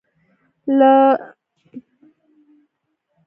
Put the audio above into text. نه سیخ سوی او نه غوښه.